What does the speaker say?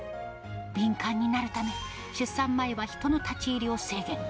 敏感になるため、出産前は人の立ち入りを制限。